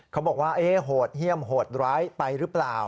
เขาบอกว่าโหดเยี่ยมโหดร้ายไปหรือเปล่า